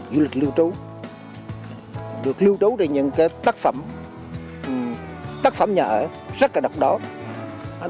được lưu trú được lưu trú được những cái tác phẩm tác phẩm nhà ở rất là độc đáo